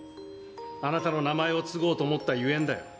あなたの名前を継ごうと思ったゆえんだよ。